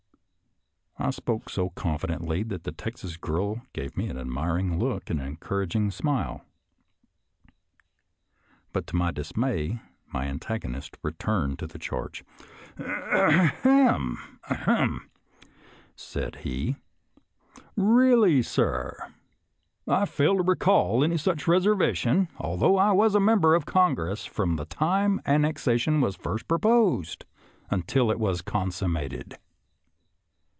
I spoke so confidently that the Texas girl gave me an admiring look and an encouraging smile. But, to my dismay, my antagonist returned to the charge. " Ahem ! 118 SOLDIER'S LETTERS TO CHARMING NELLIE ahem !" said he. " Really, sir, I fail to recall any such reservation, although I was a member of Congress from the time annexation was first proposed until it was consummated."